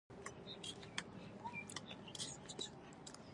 په عالم کې به یې غوغا جوړه کړې وای.